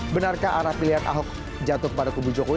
benarkah arah pilihan ahok jatuh pada kubu jokowi